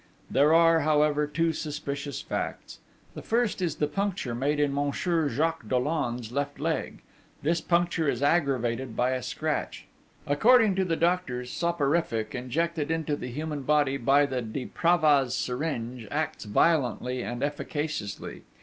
There are, however, two suspicious facts. The first is the puncture made in Monsieur Jacques Dollon's left leg: this puncture is aggravated by a scratch. According to the doctors, soporific, injected into the human body by the de Pravaz syringe, acts violently and efficaciously.